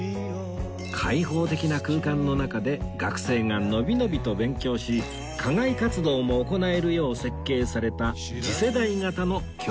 開放的な空間の中で学生がのびのびと勉強し課外活動も行えるよう設計された次世代型の教育施設です